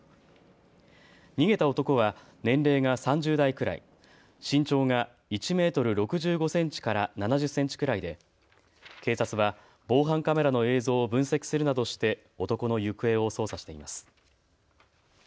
逃げた男は年齢が３０代くらい、身長が１メートル６５センチから７０センチくらいで警察は防犯カメラの映像を分析するなどして男の行方を捜査しています。